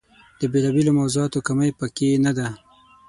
د بېلا بېلو موضوعاتو کمۍ په کې نه ده.